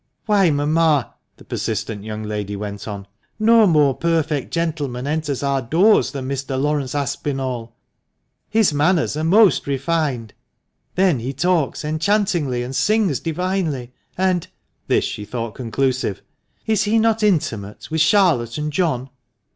" Why, mamma," the persistent young lady went on, " no more perfect gentleman enters our doors than Mr. Laurence Aspinall. His manners are most refined. Then he talks enchantingly, and sings divinely. And "— this she thought conclusive —" is he not intimate with Charlotte and John